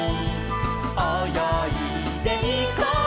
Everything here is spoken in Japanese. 「およいでいこうよ」